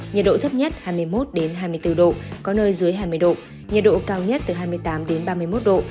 nhiệt độ thấp nhất hai mươi một hai mươi bốn độ có nơi dưới hai mươi độ nhiệt độ cao nhất từ hai mươi tám ba mươi một độ